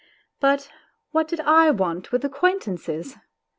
But what did I want with acquaintances